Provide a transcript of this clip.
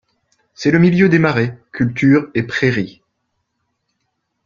C’est le milieu des marais, cultures et prairies.